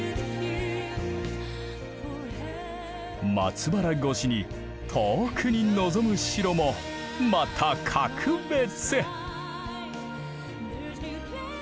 松原越しに遠くに望む城もまた格別！